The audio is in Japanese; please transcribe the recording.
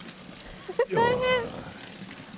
大変。